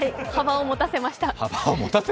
幅を持たせました。